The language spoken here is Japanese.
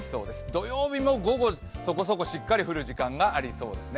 土曜日も午後、そこそこしっかり降る時間がありそうです。